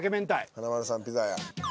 華丸さんピザや。